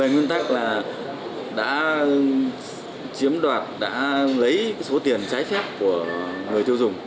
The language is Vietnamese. thì về nguyên tắc là đã chiếm đoạt đã lấy số tiền trái phép của người tiêu dùng